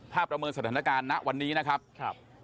ถ้าประเมินสถานการณ์ณวันนี้นะครับ